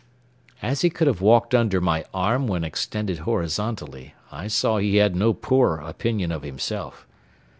As he could have walked under my arm when extended horizontally, I saw he had no poor opinion of himself.